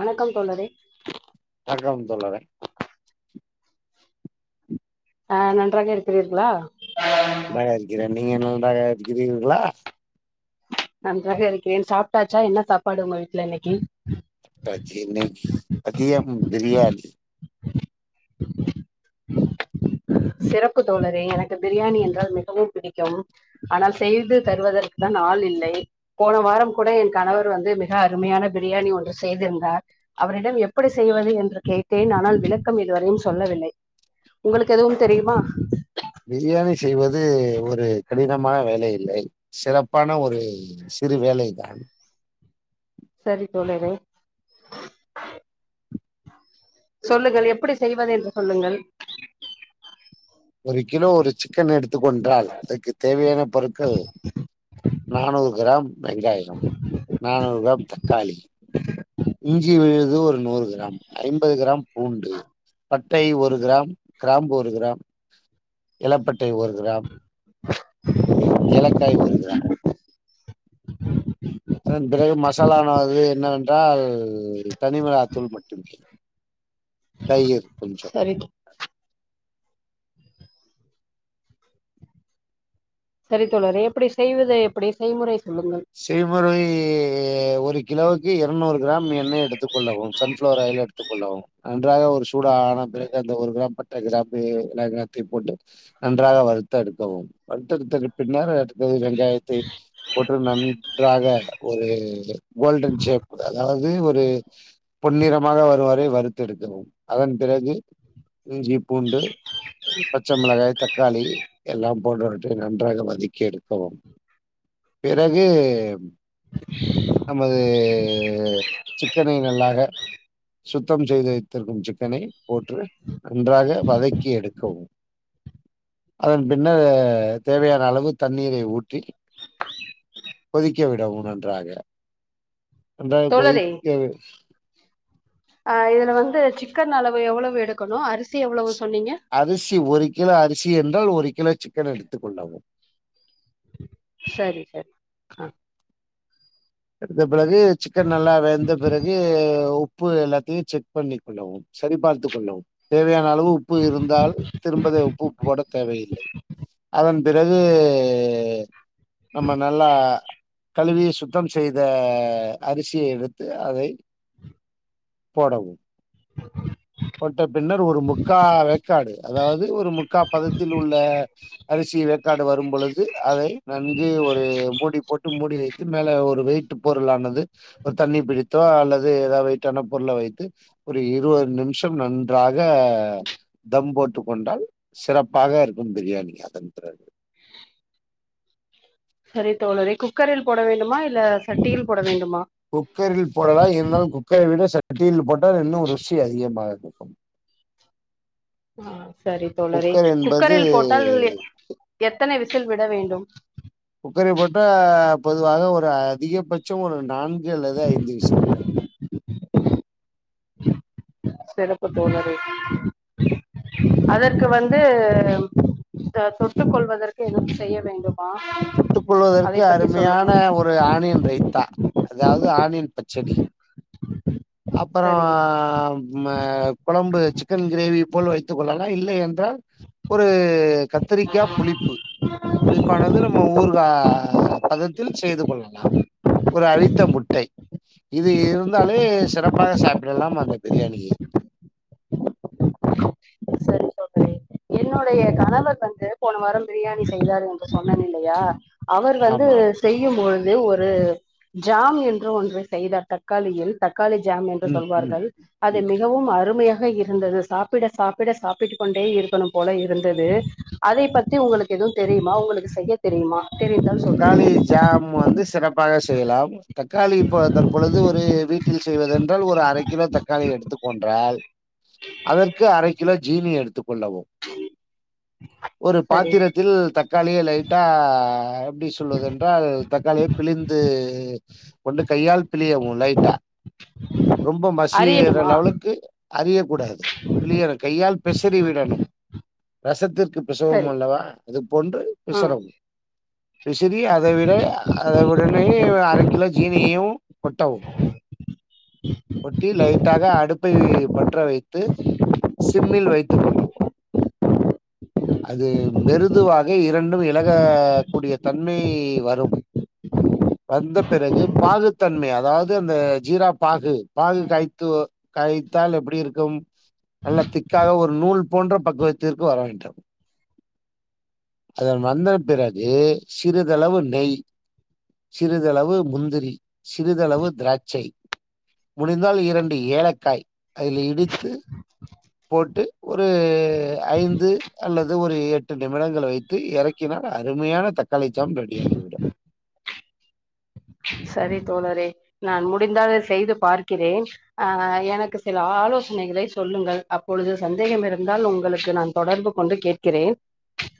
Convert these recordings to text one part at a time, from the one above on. வணக்கம் தோழரே வணக்கம் தோழரே ஆ நன்றாக இருக்கிறீர்களா நன்றாக இருக்கிறேன் நீங்க நன்றாக இருக்கிறீங்களா நன்றாக இருக்கிறேன் சாப்ட்டாச்சா என்ன சாப்பாடு உங்க வீட்ல இன்னைக்கு சாப்ட்டாச்சு இன்னைக்கு மதியம் பிரியாணி [inaudible] சிறப்பு தோழரே எனக்கு பிரியாணி என்றால் மிகவும் பிடிக்கும் ஆனால் செய்து தருவதற்கு தான் ஆள் இல்லை போன வாரம் கூட என் கணவர் வந்து மிக அருமையான பிரியாணி ஒன்று செய்திருந்தார் அவரிடம் எப்டி செய்வது என்று கேட்டேன் ஆனால் விளக்கம் இதுவரையும் சொல்லவில்லை உங்களுக்கு எதுவும் தெரியுமா பிரியாணி செய்வது ஒரு கடினமான வேலை இல்லை சிறப்பான ஒரு சிறு வேலைதான் செரி தோழரே சொல்லுங்கள் எப்டி செய்வது என்று சொல்லுங்கள் ஒரு கிலோ ஒரு சிக்கன் எடுத்துக் கொண்டால் அதுக்கு தேவையான பொருட்கள் நானூறு கிராம் வெங்காயம் நானூறு கிராம் தக்காளி [inaudible] இஞ்சி விழுது ஒரு நூறு கிராம் ஐம்பது கிராம் பூண்டு பட்டை ஒரு கிராம் கிராம்பு ஒரு கிராம் எலப்பட்டை ஒரு கிராம் [inaudible] ஏலக்காய் ஒரு கிராம் அதன் பிறகு மசாலான அது என்னவென்றால் தனிமிளகா தூள் மட்டுமே தயிர் கொஞ்சம் செரி செரி தோழரே எப்டி செய்வது எப்டி செய்முறை சொல்லு செய்முறை ஒரு கிலோவுக்கு எர்நூறு கிராம் எண்ணெய் எடுத்துக் கொள்ளவும் சன்ஃப்ளவர் ஆயில் எடு த்துக் கொள்ளவும் நன்றாக ஒரு சூடா ஆன பிறகு அந்த ஒரு கிராம் பட்ட கிராம்பு ஏலங்கத்தி போட்டு நன்றாக வறுத்தெடுக்கவும் வறுத்தெடுத்தது பின்னர் அடுத்தது வெங்காயத்தை போட்டு நன்றாக ஒரு கோல்டன் ஷேப் அதாவ்து ஒரு பொன்னிறமாக வருவரை வறுத்தெடுக்கவும் அதன் பிறகு இஞ்சி பூண்டு பச்சை மிளகாய் தக்காளி எல்லாம் போட்டுவிட்டு நன்றாக வதக்கி எடுக்கவும் பிறகு நமது சிக்கனை நல்லாக சுத்தம் செய்து வைத்திருக்கும் சிக்கனை போட்ரு நன்றாக வதக்கி எடுக்கவும் அதன் பின்னரு தேவயான அளவு தண்ணீரை ஊற்றி கொதிக்க விடவும் நன்றாக நன்றாக தோழரே கொதிக்க ஆ இதுல வந்து சிக்கன் அளவு எவ்ளவு எடுக்கனுஅரிசி எவ்ளவு சொன்னீங்க அரிசி ஒரு கிலோ அரிசி என்றால் ஒரு கிலோ சிக்கன் எடுத்துக்கொள்ளவும் செரி சார் வெந்த பிறகு சிக்கன் நல்லா வெந்த பிறகு உ ப்பு எல்லாத்தையு செக் பண்ணிக் கொள்ளவும் சரி பார்த்துக் கொள்ளவும் தேவையான அளவு உப்பு இருந்தால் திரும்பத உப்பு போட தேவையில்லை அதன் பிறகு நம்ம நல்லா கழுவி சுத் தம் செய்த அரிசியை எடுத்து அதை போடவும் போட்ட பின்னர் ஒரு முக்கா வேக்காடு அதாவ்து ஒரு முக்கா பதத்தில் உள்ள அரிசி வேக்காடு வரும் பொழுது அதை நன்கு ஒரு மூடி போட்டு மூடி வைத் து மேல ஒரு வெயிட்டு பொருளானது ஒரு தண்ணி பிடித்தோ அல்லது எதா வெய்ட்டான பொருள வைத்து ஒரு இருவது நிம்ஷம் நன்றாக தம் போட்டு கொண்டால் சிறப்பாக இருக்கும் பிரியாணி அதன் பிறகு சரி தோழரே குக்கரில் போட வேண்டுமா இல்ல சட்டியில் போட வேண்டுமா குக்கரில் போடலா இருந்தாலும் குக்கரை விட சட்டியில் போட்டால் இன்னு ருசி அதிகமாக இருக்கும் ஆ சரி தோழரே குக்கர் என்பது குக்கரில் போட்டால் எத்தனை விசில் விட வேண்டும் குக்கரில் போட்டா பொதுவாக ஒரு அதிகபட்சோ ஒரு நான்கு அல்லது ஐந்து விசில் விடனு சிறப்பு தோழரே அதற்கு வந்து த தொட்டுக் கொள்வதற்கு எதுவும் செய்ய வேண்டும் தொட்டுக் கொள்வதற்கு அருமையான சொல்லுங்கள் ஒரு ஆனியன் ரைத்தா அதாவ்து ஆனியன் பச்சடி அப்பறோ சரி ம கொழம்பு சிக்கன் கிரேவி போல் வைத்துக்கொள்ளலா இல்லை என்றால் ஒரு கத்திரிக்கா புளிப்பு புளிப்பானது நம்ம ஊற்கா பதத்தில் செய்து கொள்ளலாம் ஒரு அவித்த முட்டை இது இருந் தாலே சிறப்பாக சாப்பிடலாம் அந்த பிரியாணியை செரி தோழரே என்னுடைய கணவர் வந்து போன வாரம் பிரியாணி செய்தாரு என்று சொன்னேன் இல்லயா அவர் வந்து ஆமாம் செய்யும் பொழுது ஒரு ஜாம் என்று ஒன்று செய்தார் தக் காளியில் தக்காளி ஜாம் என்று ம் ம் சொல்வார்கள் அது ம் மிகவும் அருமையாக இருந்தது சாப்பிட சா ப்பிட சாப்பிட்டு கொண்டே இருக்கணும் போல இருந்தது அதை பத்தி உங்களுக்கு எது தெரிமா உங்களுக்கு செய்ய தெரிமா தக்காளி ஜாம் வந்து சிறப்பாக செய்லாம் தக்காளி இப்ப தற்பொழுது ஒரு வீட்டில் செய்வதென்றால் ஒரு அரை கிலோ தக்காளி எடுத்துக் கொண்றால் அதற்கு அரை கிலோ ஜீனி எடுத்துக் கொள்ளவு ஒரு சரி பாத்திரத்தில் தக்காளிய லைட்டா எப்டி சொல்வதென்றால் தக்காளிய பிழிந்து கொண்டு கையால் பிளியவு லைட்டா ரொம்ப மசியிற அறியணுமா லெவலுக்கு அறியக்கூடாது பிழியுற கையால் பிசறி ம் விடணும் ரசத்திற்கு பிசவும் சரி அல்லவா அது போன்று ம் பிசுறவு பிசிரி அத விட அத உடனே அரை கிலோ ஜீனியு கொட்டவு கொட்டி லைட்டாக அடுப்பை பற்ற வைத்து சிம்மில் வைத்துக்கொள்ளவு அது மெருதுவாக இரண்டும் இலக கூடிய தன்மை வரு வந்த பிறகு பாகுத்தன்மை அதாவ்து அந்த ஜீரா பாகு பாகுகாயத்து காய்த்தால் எப்புடி இருக்கும் நல்ல திக்காக ஒருநூல் போன்ற பக்குவத்திற்கு வரவேண்டும் அதன் வந்தபிறகு சிறிதளவு நெய் சிறிதளவு முந்திரி சிறிதளவு திராட்சை முடிந்தால் இரண்டு ஏலக்காய் அதில் இடித்து போட்டு ஒரு ஐந்து அல்லது ஒரு எட்டு நிமிடங்கள் வைத்து எறக்கினால் ருமையான தக்காளிஜாம் ரெடி ஆயிடும் சரி தோழரே நான் முடிந்தால் செய்து பார்க்கிறேன் அ எனக்கு சில ஆலோசனைகளை சொல்லுங்கள் அப்பொழுது சந்தேகம் இருந்தால் உங்களுக்கு நான் தொடர்பு கொண்டு கேட்கிறேன்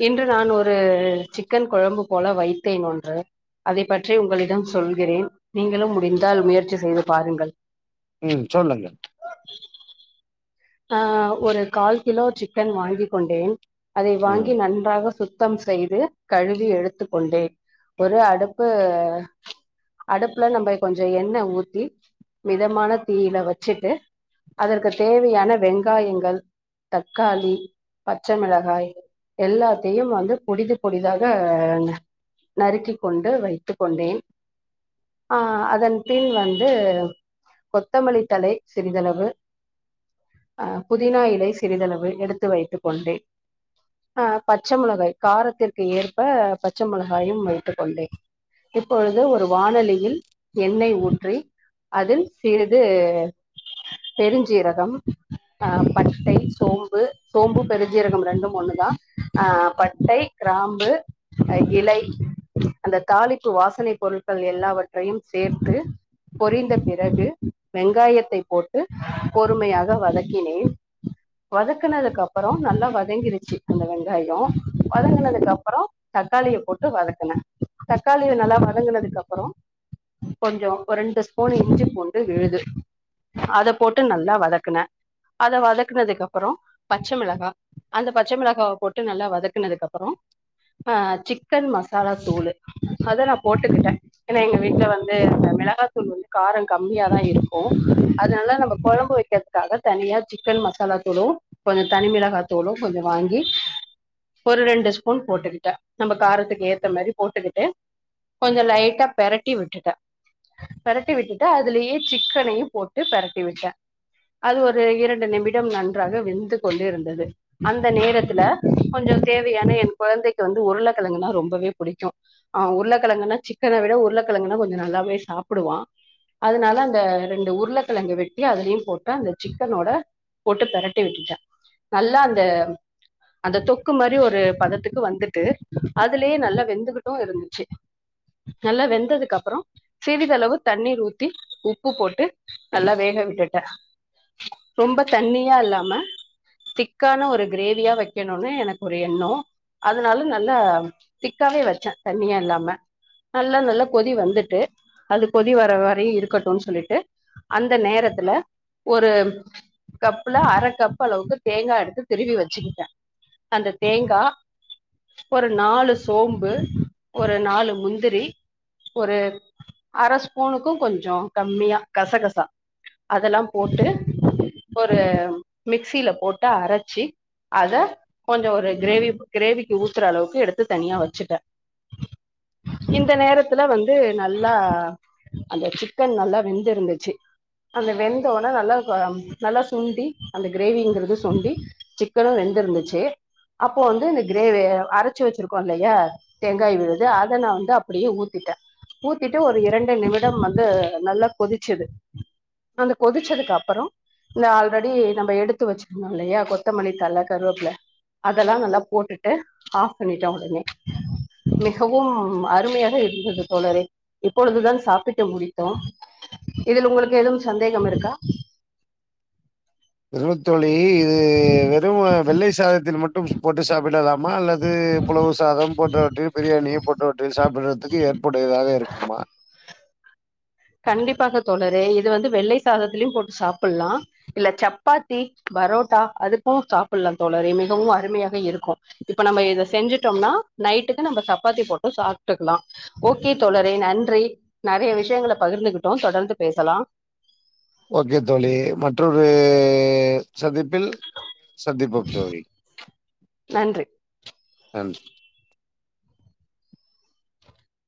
இன்று நான் ஒரு சிக்கன்குழம்பு போல வைத்தேன் ஒன்று அதை பற்றி உங்களிடம் சொல்கிறேன் நீங்களும் முடிந்தால் முயற்சி செய்து பாருங்கள் ம் சொல்லுங்க அ ஒரு கால் கிலோ சிக்கன் வாங்கிகொண்டேன் அதை ம் வாங்கி நன்றாக சுத் த்தம் செய்து கழுவி எடுத்துக்கொண்டேன் ஒரு அடுப்பு அடுப்புல நம்ப கொஞ்சொ எண்ணெ ஊத்தி மிதமான தீயில வச்சுட்டு அதற்கு தேவையான வெங்காயங்கள் தக்காளி பச்சமிளகாய் எல்லாத்தையு வந்து பொடிது பொடிதாக நறுக்கி கொண்டு வைத்துக் கொண்டேன் அ அதன் பின் வந்து கொத்தமல்லிதலை சிறிதளவு அ புதினா இலை சிறிதளவு எடுத்து வைத்துக்கொண்டே அ பச்சமிளகாய் காரத்திற்கு ஏற்ப பச்ச மிளகாயு வைத்துக்கொண்டே இப்பொழுது ஒரு வானாலியில் எண்ணெய் ஊற்றி அதில் சிறிது பெருஞ்சீரகம் அ பட்டை சோம்பு சோம்பு பெருஜீரகம் ரெண்டும் ஒண்ணுதா ஆ பட்டை கிராம்பு அ இலை அந்த தாளிப்பு வாசனை பொருட்கள் எல்லாவற்றையும் சேர்த்து பொரிந்த பிறகு வெங்காயத்தை போட்டு பொறுமையாக வதக் கினேன் வதக்குனதுக் அப்பறொ நல்லா வதங்கிருச்சு அந்த வெங்காயொ வதங்கினதுக்கு அப்பறொ தக்காளிய போட்டு வதக்குன தக்காளிய நல்லா வதங்குனதுக்கு அப்பற கொஞ்சொ ஒரு ரெண்டு ஸ்பூன் இஞ்சி பூண்டு விழுது அத போட்டு நல்லா வதக்குன அத வதக்குனதுக்கு அப்பறொ பச்சமிளகா அந்த பச்ச மிளகாவ போட்டு நல்லா வதக்குனதுக்கப்புறோ ஆ சிக் கன் மசாலா தூளு அத நா போட்டுக்கிட்டே ஏனா எங்க வீட்ல வந்து இந்த மிளகாத்தூள் வந்து காரோ கம்மியாதா இருக்கு அதனால நம்ம குழம்பு வெக்க காக தனியா சிக்கன் மசாலா தூளு கொஞ்சோ தனி மிளகா தூளு கொஞ்சோ வாங்கி ஒரு ரெண்டு ஸ்பூன் போட்டுக்கிட்டே நம்ம காரத்துக்கு ஏத்த மாரி போட்டுக்கிட்டு கொஞ்ச லைட்டா பெரட்டி விட்டுட்டே பெரட்டி விட்டுட்டு அதுலியே சிக்கனையு போட்டு பெரட்டி விட்டே அது ஒரு இரண்டு நிமிடம் நன்றாக வெந்து கொண்டு இருந்தது அந்த நேரத்துல கொஞ்சோ தேவையான என் குழந்தைக்கு வந்து உருளக்கிழங்குனா ரொம்பவே புடிக்கு ஆ உருளக்கிழங்குனா சிக்கன விட உருளக்கிழங்குனா கொஞ்ச நல்லாவே சாப்பிடுவா அதனால அந்த ரெண்டு உருளக்கிழங்கு வெட்டி அதுலியே போட் ட அந்த சிக்கனோட போட்டு பெரட்டி விட்டுட்டே நல்லா அந்த அந்த தொக்கு மாரி ஒரு பதத்துக்கு வந்துட்டு அதுலியே நல்லா வெந்துக்கிட்டு இருந்துச்சு நல்லா வெந்ததுக்குப்புறோ சிறிதளவு தண்ணீர் ஊத்தி உப்பு போட்டு நல்லா வேக விட்டுட்டே ரொம்ப தண்ணியா இல்லாம திக்கான ஒரு கிரேவியா வெக்கணுனு எனக்கொரு எண்ணோ அதனால நல்லா திக்காவே வெச்சே தண்ணியா இல்லாம நல்லா நல்லா கொதி வந்துட்டு அது கொதி வர வரையு இருக்கட்டுன் சொல்லிட்டு அந்த நேரத்துல ஒரு கப்புல அர கப்பளவுக்கு தேங்கா எடுத்து திருவி வெச்சுக்கிட்ட அந்த தேங்கா ஒரு நாலு சோம்பு ஒரு நாலு முந்திரி ஒரு அர ஸ்பூனுக்கு கொஞ்சோ கம்மியா கசகசா அதல்லா போட்டு ஒரு மிக்சில போட்டு அரச்சி அத கொஞ்சோ ஒரு கிரேவி கிரேவிக்கு ஊத்துற அளவுக்கு எடுத்து தனியா வெச்சுட்ட இந்த நேரத்துல வந்து நல்லா அந்த சிக்கன் நல்லா வெந்திருந்துச்சு அந்த வெந் த ஒன்னே நல்லா க நல்லா சுண்டி அந்த கிரேவிங்கிறது சுண்டி சிக்கனு வெந்திருந்துச்சு அப்போ வந்து இந்த கிரேவி அரச்சு வெச்சிருக்கோ இல்லயா தேங்காய் விழுது அத நா வந்து அப்படியே ஊத்திட்டே ஊத்திட்டு ஒரு இரண்டு நிமிடம் வந்து நல்லா கொதிச்சிது கொதிச்சதுக்கு அப்புறோ நா ஆல்ரெடி நம்ம எடுத்து வெச்சிருந்தோ இல்லையா கொத்தமல்லித்தழ கருவேப்புல அதெல்லா நல்லா போட்டுட்டு ஆஃப் பண்ணிட்ட உடனே மிகவும் அருமையாக இருந்தது தோழரே இப்பொழுதுதான் சாப்பிட்டு முடித்தோம் இதுல உங்களுக்கு எதுவும் சந்தேகம் இருக்கா இதுவு தோழி இது வெறும வெள்ளை சாதத்தில் மட்டும் போட்டு சாப்பிடலா மா அல்லது புலவ் சாதம் போன்றவற்றில் பிரியாணி போன்றவற்றில் சாப்பிட்றதுக்கு ஏற்புடையதாக இருக்குமா கண்டிப்பாக தோழரே இது வந்து வெள்ளை சாதத்துலியும் போட்டு சாப்பல்லா இல்ல சப்பாத்தி பரோட்டா அதுக்கு சாப்பில்லா தோழரே மிகவு அருமையாக இருக்கு இப்ப நம்ம இத செஞ்சிட்டோம்னா நைட்டுக்கு நம்ம சப்பாத்தி போட்டு சாப்ட்டுக்லா ஓகே தோழரே நன்றி நெறைய விஷயங்கள பகிர்ந்துகிட்டோ தொடர்ந்து பேசலா ஓகே தோழி மற்றொரு சந்திப்பில் சந்திப்போம் தோழி நன்றி நன்றி